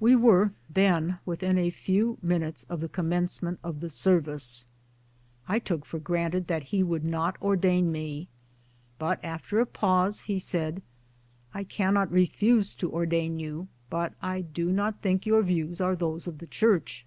We were then within a few minutes of the com mencement of the service. I took for granted that he would not ordain me ; but after a pause he said " I cannot refuse to ordain you ; but I do not think your views are those of the Church."